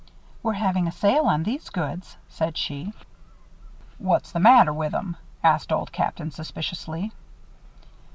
"We're having a sale on these goods," said she. "What's the matter with 'em?" asked Old Captain, suspiciously.